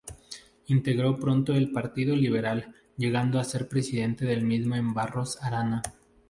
Integró pronto el Partido Liberal, llegando a ser presidente del mismo en Barros Arana.